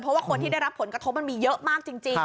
เพราะว่าคนที่ได้รับผลกระทบมันมีเยอะมากจริง